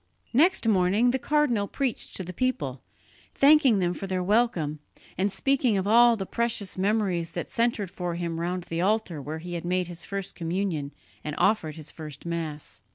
Next morning the cardinal preached to the people, thanking them for their welcome, and speaking of all the precious memories that centred for him round the altar where he had made his first communion and offered his first Mass.